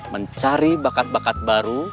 mencari bakat bakat baru